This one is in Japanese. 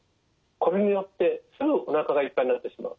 これによってすぐおなかがいっぱいになってしまう。